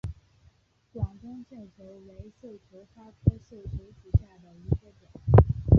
广东绣球为绣球花科绣球属下的一个种。